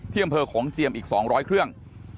ที่อำเภอโขงเจียมอีกสองร้อยเครื่อง